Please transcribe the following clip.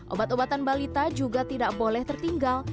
obat obatan balita juga tidak boleh tertinggal